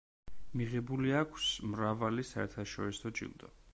მიღებული აქვს მრავალი საერთაშორისო ჯილდო.